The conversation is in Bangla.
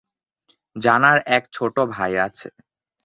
জানার এক ছোট ভাই আছে।